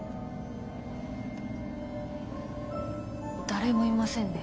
誰もいませんね。